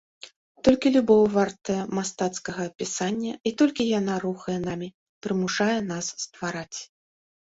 Толькі любоў вартая мастацкага апісання і толькі яна рухае намі, прымушае нас ствараць.